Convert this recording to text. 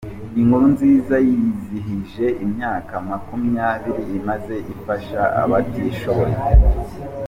Inkuru Nziza yizihije imyaka makumyabiri imaze ifasha abatishiboye